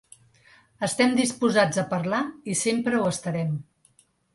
Estem disposats a parlar i sempre ho estarem.